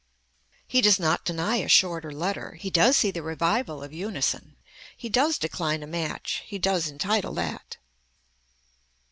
He does not deny a shorter letter. He does see the revival of unison. He does decline a match, he does entitle that.